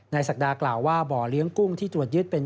ศักดากล่าวว่าบ่อเลี้ยงกุ้งที่ตรวจยึดเป็น